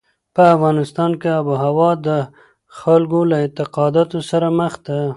په افغانستان کې آب وهوا د خلکو له اعتقاداتو سره ده.